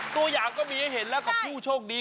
ตัวอย่างก็มีให้เห็นแล้วกับผู้โชคดี